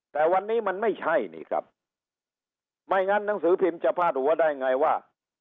แต่วันนี้มันไม่ใช่นี่ครับไม่งั้นหนังสือพิมพ์จะพาดหัวได้ไงว่า